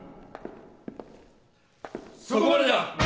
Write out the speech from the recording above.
そこまでだ！